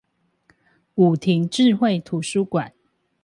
古亭智慧圖書館